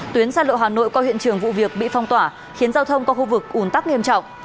tuyến xa lộ hà nội qua hiện trường vụ việc bị phong tỏa khiến giao thông qua khu vực ủn tắc nghiêm trọng